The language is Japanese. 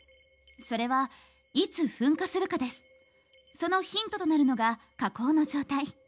そのヒントとなるのが火口の状態。